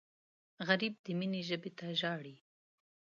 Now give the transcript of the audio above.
غریب د مینې ژبې ته ژاړي